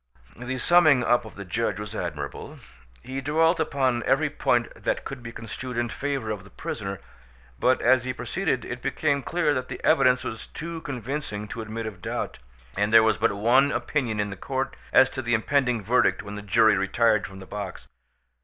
The summing up of the judge was admirable. He dwelt upon every point that could be construed in favour of the prisoner, but as he proceeded it became clear that the evidence was too convincing to admit of doubt, and there was but one opinion in the court as to the impending verdict when the jury retired from the box.